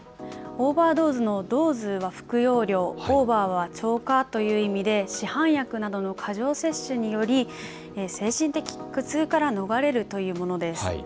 オーバードーズのドーズは服用量、オーバーは超過という意味で市販薬などの過剰摂取により精神的苦痛から逃れるというものです。